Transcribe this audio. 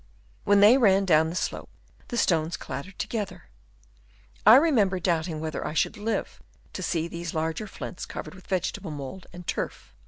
When they ran down the slope the stones clattered together. I remember doubting whether I should live to see these larger flints covered with vegetable mould and turf.